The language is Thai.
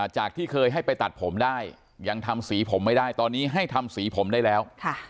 จากที่เคยให้ไปตัดผมได้ยังทำสีผมไม่ได้ตอนนี้ให้ทำสีผมได้แล้ว